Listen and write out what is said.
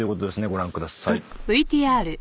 ご覧ください。